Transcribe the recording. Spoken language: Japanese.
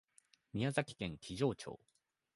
宮崎県木城町